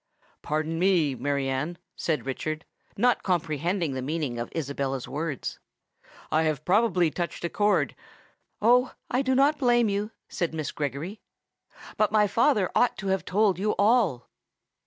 "Pardon me, Mary Anne," said Richard, not comprehending the meaning of Isabella's words; "I have probably touched a chord——" "Oh! I do not blame you," said Miss Gregory; "but my father ought to have told you all!"